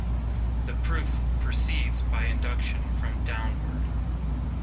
The proof proceeds by induction from downward.